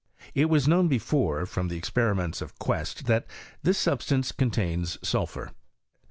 It was known before, from the experiments of Quest, that this substance contains sulphur.